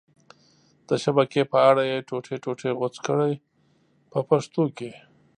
د شبکې په اره یې ټوټې ټوټې غوڅ کړئ په پښتو کې.